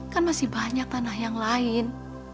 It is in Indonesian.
kan masih banyak tanah yang lain